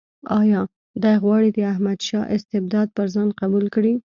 آیا دی غواړي د احمدشاه استبداد پر ځان قبول کړي.